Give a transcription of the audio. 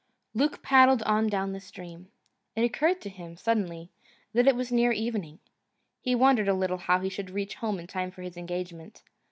Luke paddled on down the stream. It occurred to him, suddenly, that it was near evening. He wondered a little how he should reach home in time for his engagement.